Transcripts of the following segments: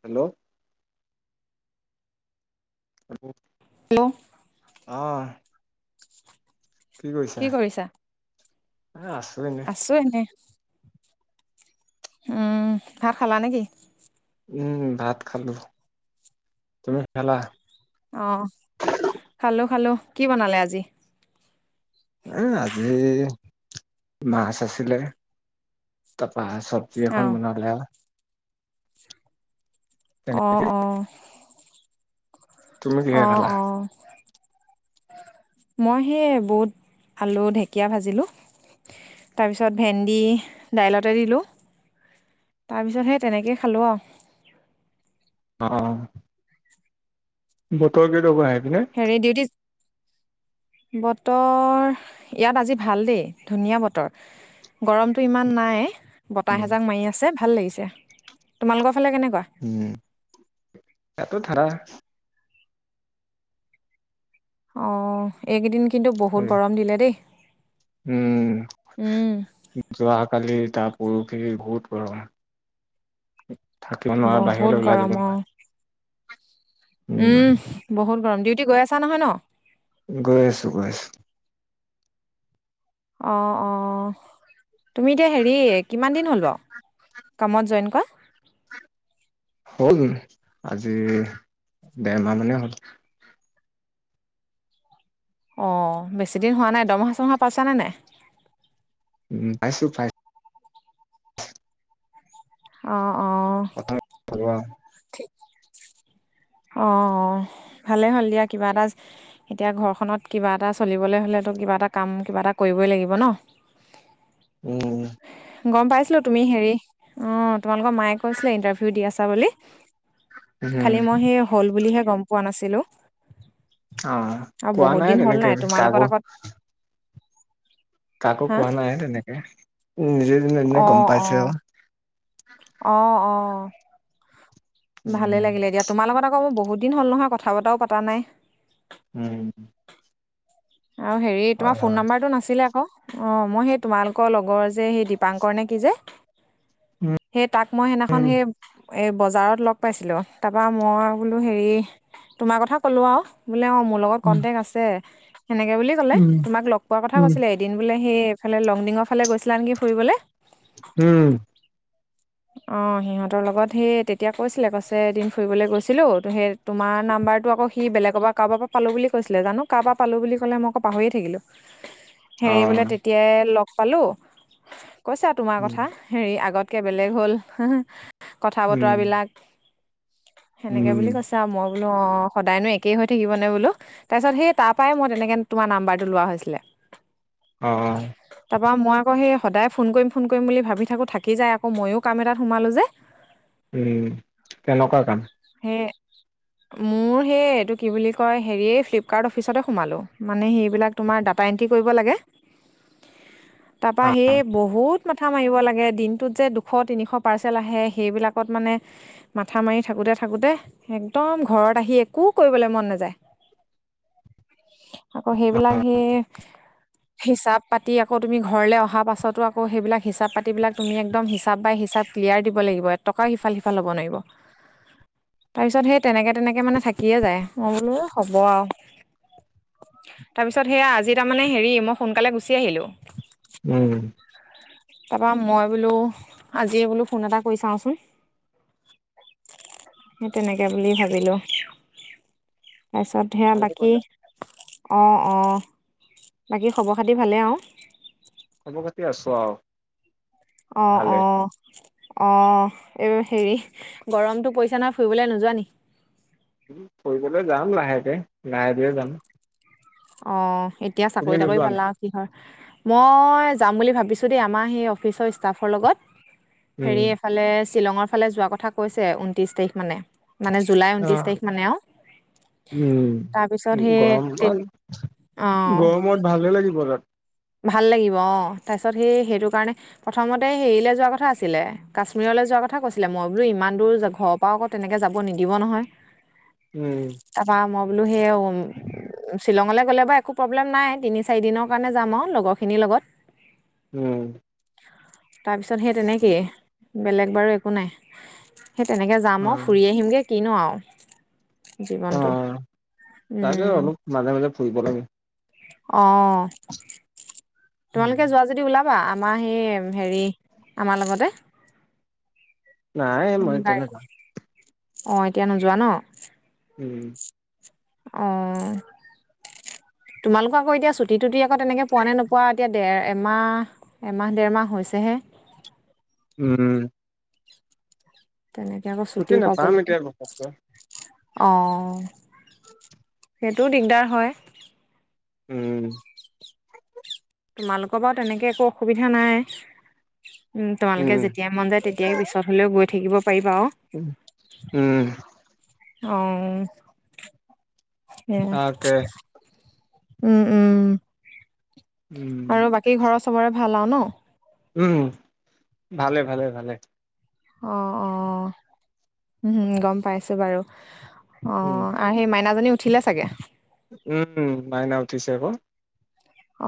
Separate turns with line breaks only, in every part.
Hello অ'
hello
হাহ?
কি কৰিছা,
এ আছো এনে
আছো এনে। উম, চাহ খালা নেকি?
উম, ভাত খালো, তুমি খালা?
অ খালো খালো কি বনালে আজি?
এ আজি, মাছ আছিলে, তাৰপা চব্জি
অ
এখন বনালে হয়। তেনেকে
অ' অ'।
তুমি কিহে
অ'
খালা
অ'। মই সেই বহুত আলু, ঢেকীয়া ভাজিলো। তাৰপিছত ভেন্দি, দাইলতে দিলোঁ। তাৰপিছত সেই তেনেকেই খালোঁ আৰু।
অ'। বতৰ গ দব আহ।
হেৰি ডিউটি
[inaudible]
বতৰ ইয়াত আজি ভাল দেই ধুনীয়া বতৰ। গৰমতটো ইমান নাই, বতাহ এজাক মাৰি আছে ভাল লাগিছে, তোমালোকৰ? ফালে কেনেকুৱা?
উম, এত ধাৰা
অ', এইকেইদিন কিন্তু বহুত গৰম দিলে দেই।
উম,
উম
যোৱা কালি তাৰ পৰখি বহুত গৰম। থাকিব নোৱাৰা বাহিৰলৈ
বহুত
ওলাই যাব
গৰম অ',
নোৱাৰা
উম বহুত গৰম দি গৈ আছা নহয় ন?
গৈ আছো, গৈ আছো।
অ' অ', তুমি এতিয়া হেৰি কিমান দিন হ'ল বাৰু? কামত জইন কৰা।
[inaudible] হল আজি, দেৰমাহ মানেই হ'ল।
অ' বেছিদিন হোৱা নাই দমহা চমহা পাইছানে নাই?
উম পাইছো পাইছো।
অ'।
[unintelligible]
অ' ভালেই হ'ল দিয়া, কিবা এটা এতিয়া, ঘৰখনত কিবা এটা চলিবলে কিবা এটা কাম কিবা এটা কৰিবই লাগিব ন।
উম।
গম পাইছিলো তুমি হেৰি, অ' তোমালোকৰ মায়ে কৈছিলে ইণ্টাৰভিউ দি আছা বুলি।
উম
খালি মই সেই হ'ল বুলিহে গম পোৱা নাছিলোঁ।
অ
আৰু
কোৱা
বহুত দিন হ'ল
তেনেকে
নাই তোমাৰ লগত
কাকো
আকৌ
কাকো কোৱা নাই তেনেকে, নিজেনে গম পাইছে আৰু।
আহ, আহ। ভালেই
উম
লাগিলে দিয়া তোমাৰ লগত আকৌ বহুত দিন হ'ল নহয় কথা বতৰাও পতা নাই।
উম।
আৰু হেৰি তোমাৰ
হয়
ফোন
হয়
নাম্বাৰটো নাছিলে অ অ মই সেই তোমালোকৰ লগৰ যে সেই দীপাংকৰ নে কি যে। সেই তাক মই সিনাখন
উম
সেই এই বজাৰত লগ পাইছিলোঁ। তাৰপৰা মই বোলো হেৰি তোমাৰ কথা ক'লোঁ আৰু। বোলে অ মোৰ লগত কন্টেক আছে সেনেকে বুলি ক'লে,
উম
তোমাক লগ পোৱা কথা
উম উম
কৈছিলে। এদিন বোলে সেই এইফালে লংডিঙৰ ফালে গৈছিলা নেকি ফুৰিবলৈ?
উম।
অ সিহঁতৰ লগত, সেই তেতিয়া কৈছিলে কৈছে এদিন ফুৰিবলৈ গৈছিলো ত সেই তোমাৰ নাম্বাৰটো আকৌ সি বেলেগৰ পৰা কাৰোবাৰ পৰা পো বুলি কৈছিলে, জানো কাৰোব পৰা পালোঁ বুলি ক'লে মই আকৌ পাহৰিয়ে থাকিলোঁ।
অ
হেৰি বোলে তেতিয়াই লগ পালো, কৈছা তোমাৰ
উম
কথা, হেৰি আগত বেলেগ হ'ল কথা বতৰা
উম
বিলাক সেনেকে
উম
বুলি কৈছে আৰু। মই বোলো অ সদায়নো একেই হৈ থাকিব নে বোলো। তাৰপিছত সেই তাৰ পৰাই মই তেনেকে তোমাৰ নাম্বাৰটো লোৱা হৈছিলে।
অহ।
মই আকৌ সেই সদায় ফোন কৰিম ফোন কৰিম বুলি ভাবি থাকো থাকি যায় আকৌ, মইও কাম এটাত সোমালো যে।
উম। কেনেকুৱা কাম?
এ মোৰ সেই এইটো কি বুলি কয় হেৰি ফ্লিপকাৰ্ট অফিচতে সোমালো। মানে সেইবিলাক তোমাৰ দ এন্ট্ৰি কৰিব লাগে
[inaudible]
তাৰ পৰা সেই বহুত মাথা মাৰিব লাগে। দিন টোত যে দুশ তিনিশ পাৰ্চেল আহে, সেইবিলাকত মানে মাথা মাৰি থাকোঁতে থাকোঁতে একদম দম ঘৰত আহি একো কৰিবলৈ মন নাযায়।
[inaudible]
আকৌ সেইবিলাক সি হিচাপ পাতি আকৌ তুমি ঘৰলে অহা পাছতো আকৌ সেইবিলাক হিচাপ পাতিবলাক তুমি একদম হিচাপ বাই হিচাপ ক্লিয়াৰ দিব লাগিব। এটকাও ইফাল-সিফাল হ'ব নোৱাৰিব। তাৰপিছত সেই তেনেকে তেনেকে মানে থাকিয়ে যায়, মই বোলো হ'ব আৰু। তাৰপিছত সেয়া আজি তাৰমানে হেৰি মই সোনকালে গুচি আহিলো।
উম।
তাপৰ মই বোলো আজিয়ে বোলো ফোন এটা কৰি চাওচোন। সেই তেনেকে বুলি ভাবিলোঁ। তাৰপিছত সেয়া
ভালে
বাকী,
কৰিলা
অ অঁ। বাকী খবৰ খাতি ভালেই আৰু?
খবৰ খাতি আছো আৰু।
অ অ। অ এই হেৰি গৰমতটো পৰিছে নহয় ফুৰিবলৈ নোযোৱা নেকি?
ফুৰিবলৈ যাম লাহেকে লাহে ধীৰে যাম।
অ এতিয়া
তুমি
চাকৰি-তাকৰি
নোযোৱা নি
পালাও কিহৰ মই যাম বুলি ভাবিছোঁ দেই, আমাৰ সেই অফিচৰ ষ্টাফৰ লগত। হেৰি
উম
এইফালে শ্বিলঙৰ ফালে যোৱা কথা কৈছে ঊনত্ৰিশ তাৰিখ মানে। মানে জুলাই
অ
ঊনত্ৰিশ তাৰিখ মানে আৰু,
উম
তাৰপিছত সেই
গৰম
তে
গৰমত ভালে লাগিব তাত।
ভাল লাগিব অ, তাৰপিছত সেই সেইটো কাৰণে প্ৰথমতে হেৰিলৈ যোৱা কথা আছিলে, কাশ্মীৰলৈ যোৱা কথা কৈছিলে। মই বোলো ইমান দূৰ ঘৰৰ পৰা আকৌ তেনেকে যাব নিদিব নহয়।
উম।
তাৰপৰা মই বোলো সেইয়া শ্বিলঙলৈ গ'লে বাৰু একো প্ৰব্লেম নাই, তিনি চাৰিদিনৰ কাৰণে যাম আৰু। লগৰখিনিৰ লগত।
উম।
তাৰপিছত সেই তেনেকেই বেলেগ বাৰু একো নাই। সেই তেনেকৈ যাম
অ
আৰু ফুৰি আহিমগৈ কিনো আৰু।
অ
জীৱনটো উম,।
ফুইবলাগে।
অ' তোমালোকে যোৱা যদি ওলা বা, আমাৰ সেই হেৰি আমাৰ লগতে।
নাই মই
গাড়ী
তেনেকা
অ' এতিয়া নোযোৱা ন'?
উম।
অ' তোমালোকৰ আকৌ এতিয়া ছুটি থুটি তেনেকে পোৱা নে নোপোৱা এতিয়া দেৰ এমাহ এমাহ দেৰমাহ হৈছেহে।
উম।
তেনেকে আকৌ
ছুটি
ছুটিও পাব
নাপাম
লাগে।
এতিয়া ঘপককৈ
অ' সেইটোও দিগদাৰ হয়।
উম।
তোমালোকৰ বাৰু তেনেকে একো অসুবিধা নাই। উম, তোমালোকে
উম
যেতিয়া মন যায় তেতিয়াই পিছত হলেও গৈ থাকিব পাৰিবা আৰু
উম, উম।
অ', উম, উম।
তাকে
উম, উম।
উম
আৰু বাকী ঘৰৰ চবৰে ভাল আৰু ন'?
উম, ভালে, ভালে, ভালে।
অ', অ', উম গম পাইছো বাৰু।
উম
অ' আৰু সেই মাইনাজনী উঠিলে চাগে!
উম, মাইন উঠিছে আকৌ।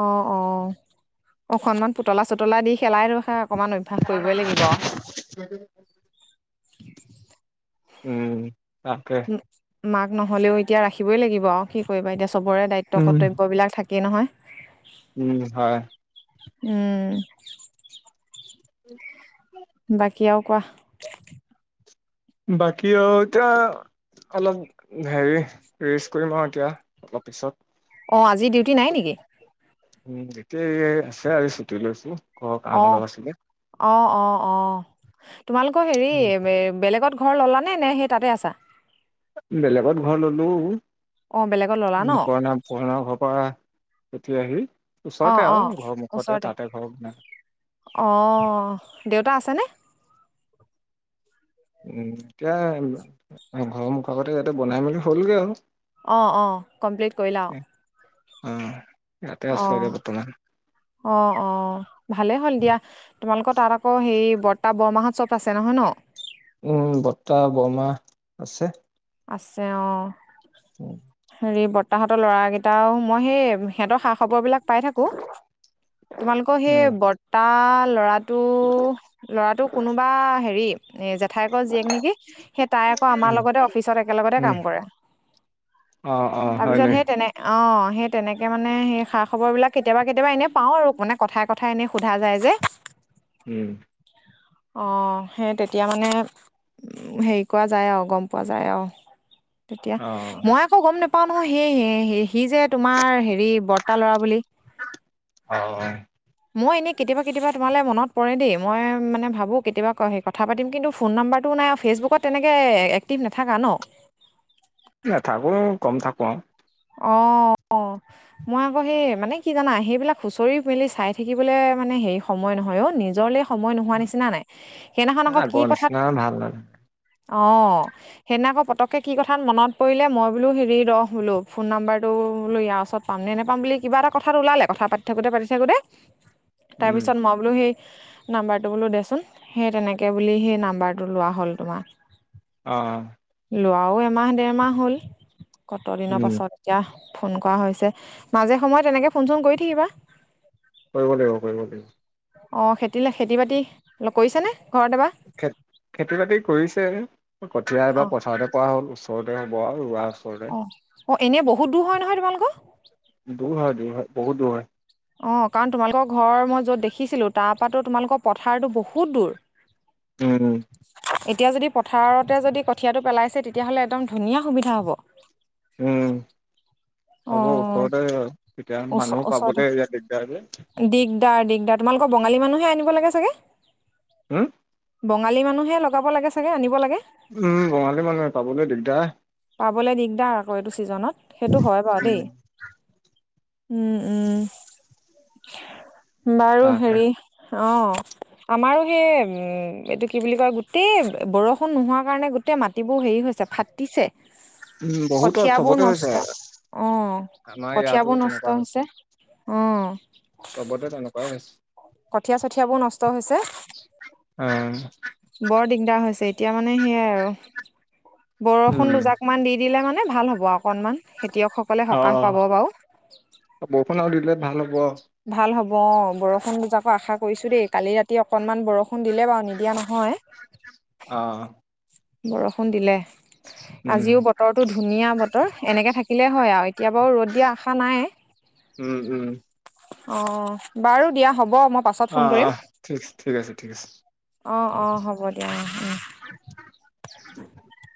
অ', অ' অকনমান পুতলা চোতলা দি খেলাই ৰ খা অকমান অভ্য়াস কৰিবই লাগিব।
উম, তাকে।
মাক নহ'লেও এতিয়া ৰাখিবই লাগিব আৰু কি কৰিবা এতিয়া চবৰে দায়িত্ব
উম
কৰ্তব্যবলাক থাকে। কিই নহয়।
উম, হয়।
উম। কিয়ও কোৱা।
বাকী আৰু এতিয়া অলপ হেৰি ৰেষ্ট কৰিম আৰু এতিয়া। তাৰপিছত
অ' আজি ডিউটি নাই নেকি?
উম, এতিয়া আছে আজি ছুটি লৈছো ঘৰ কাম অলপ আছিলে।
অঁ', অঁ', অঁ' তোমালোকৰ হেৰি বেলেগত ঘৰ ল'লা নে নে সেই তাতে আছা?
বেলেগত ঘৰ ললে।
অ বেলেগত ল'লা ন
মে পণা পৰনা ঘৰৰ পৰা উঠি আহি। ওচৰতে
অ',
আৰু ঘৰৰ
অ'
মুখতে
ওচৰতে
তাতে ঘৰ বনাই
অ'। দেউতা আছেনে?
উম, এতিয়া ঘৰৰ মুখ আগতে ইয়াতে বনাই মেলি হ'লগে আৰু।
অঁ', অঁ' কমপ্লিট কৰিলে অ'।
অ' ইয়াতে আছোগে বৰ্তমান।
অ', অ' ভালেই হ'ল দিয়া তোমালোকৰ তাত আকৌ হেই বৰ্তা বৰমাহত চ্বপ আছে নহয় ন'?
উম বৰ্তা বৰমা আছে।
আছে অ'।
উম।
হেৰি বৰতাহঁতৰ ল'ৰাকেইটাও মই সেই সিহঁতৰ খা খবৰবিলাক পাই থাকোঁ তোমালোকৰ সেই
উম
বৰ্তা ল'ৰাটো ল'ৰাটো কোনোবা হেৰি এ, জেঠাইকৰ জীয়েক নেকি সেই তাই আকৌ আমাৰ
উম
লগতে অফিচত একেলগতে
উম
কাম কৰে,
অ অ হয়
তাৰপিছত
নি
সেই তেনে অ'। অ, সেই তেনেকে মানে সেই সা খবৰ বিলাক কেতিয়াবা, কেতিয়াবা এনে পাওঁ আৰু মানে কথাই, কথা কথা এনেই সোধা যায় যে
উম।
অ, সেই তেতিয়া মানে উ, হেৰি কৰা যায় আৰু গম পোৱা যায় আৰু তেতিয়া
অ
মই আকৌ গম নোপাও নহয় সেয়েয়ে সে স, যে তোমাৰ হেৰি বৰ্তা ল'ৰা বুলি
অ
মই এনেই কেতিয়াবা, কেতিয়াবা তোমালৈ মনত পৰে দ মই ভাবো কেতিয়াবা সেই কথা পাতিম কিন্তু ফোন নম্বাৰটো একো নাই ফেচবুকত তেনেকৈ এক্টিভ নাথাকা ন।
নথাকো গম থাকো আৰু
অ'। মই আকৌ সেই মানে কি জানা সেইবিলাক হুঁচৰি মেলি চাই থাকিবলৈ মানে হেৰি সময় নহয় অ'। নিজৰলে সময় নোহোৱা নিচিনা নাই সেইদিনাখন
আৰু
আকৌ কি
আগৰ
কথাাত
নিচিনা ভাল নালাগে
অ, সেইদি আকৌ পতককে কি কথাত মনত পৰিলে মই বোলো হেৰি ৰহ বোলো। ফোন নাম্বৰটো লৈ ইাৰ ওচৰত পাম নে নোপাম বুলি কিবা এটা কথাত লালে কথা পাতি থাকোতে, পাতি থাকোতে
উম
তাৰপিছত মই বোলো সেই নাম্বাৰটো বোলো দেচোন সেই তেনেকে বুলি সেই নাম্বাৰটো লোৱা হ'ল তোমাৰ
আহ।
লোৱাও এমাহ ডেৰমাহ হ'ল কত দিনৰ
উম
পাছত এতিয়া ফোন কৰা হৈছে, মাজে সময়ত এনেকে ফোন চোন কৰি থাকিবা।
কৰিব লাগিব, কৰিব লাগিব।
অ, খেতি, খেতি, বাতি কৰিছানে?
খ, খেতি, বাতি কৰিছে কঠিয় এইব
অ
পচাৰতে কৰা হ'ল ওচ ঘৰতে হ'ব আৰু ৰ।
অ', অ', এনে বহুত দূৰ হয় নহয় তোমালোকৰ।
দূৰ হয়, দূৰ হয়, বহুত দূৰ হয়।
অ, কাৰণ তোমালোকৰ ঘৰ মই য'ত দেখিছিলো তাৰ পৰা তোমালোকৰ পথাৰতো বহুত দূৰ।
উম
এতিয়া যদি পথাৰতে যদি কঠীয়াটো পেলাইছে তেতিয়াহ'লে একদম ধুনীয়া সুবিধা হ'ব।
উম
অ
হ'ব ওচৰতে এতিয়া
ওচ
মানুহ
ওচৰতে
পাবলৈ এয়া দিগদাৰ যে।
দিগদাৰ, দিগদাৰ তোমালোকৰ বঙালী মানুহে আনিব লাগে চাগে।
হুম
বঙালী মানুহে লগাব লাগে চাগে, আনিব লাগে।
উম, বঙালী মানুহে পাবলৈ দিগদাৰ।
পাবলৈ দিগদাৰ আকৌ এইটো ছিজনত সেইটো হয় বাৰু দেই।
উম
উম, উম, বাৰু
তাকে
হেৰি অ, আমাৰো সেই এইটো কি বুলি কয় গোটেই বৰষুণ নোহোৱা কাৰণে গোটেই মাটিবোৰ হেৰি হৈছে ফাটিছে,
উম বহুতৰ
কঠিয় বোৰ
চবতে
নষ্ট
হৈছে
উ,
আমাৰ ইয়াতো
কঠিয়াবোৰ নষ্ট
তেনেকুৱা
হৈছে উম।
চবতে তেনেকুৱাই হৈছে
কঠীয়া, চঠিয়াবোৰ নষ্ট হৈছে।
অম।
বৰ দিগদাৰ হৈছে, এতিয়া মানে সেইয়াই আৰু বৰষুণ
উম
দুজাক মমান দি দিলে মানে মানে ভাল হ'ব আৰু অকণমান খেতিয়কসকলে
অ
সকাহ পাব বাৰু
বৰষুণ আৰু দিলে ভাল হ'ব
ভাল হ'ব। অ, বৰষুণ দুজাকো আশা কৰিছো দেই কালি ৰাতি অকণমান বৰষুণ দিলে বাৰু নিদিয়া নহয়। হয়।
অ'।
বৰষুণ দিলে।
উম
আজিও বতৰটো ধুনীয়া বতৰ, এনেকে থাকিলে হয় আৰু এতিয়া বাৰু ৰ'দ দিয়া আশা নাই।
উম্ উম্।
অ' বাৰু দিয়া হ'ব। মই পাছত
অ
ফোন
অ
কৰিম,
ঠিক ঠিক আছে ঠিক আছে
অ' অ' হ'ব দিয়া অ'। [inaudible]